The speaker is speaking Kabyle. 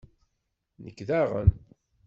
Nekk daɣen.